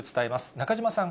中島さん。